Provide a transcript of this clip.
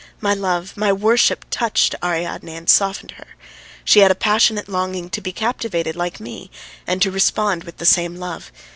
My love, my worship, touched Ariadne and softened her; she had a passionate longing to be captivated like me and to respond with the same love.